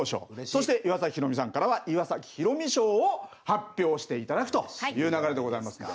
そして岩崎宏美さんからは「岩崎宏美賞」を発表して頂くという流れでございますが。